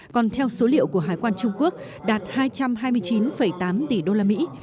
còn theo số liệu của hải quan trung quốc đạt hai trăm hai mươi chín tám tỷ đô la mỹ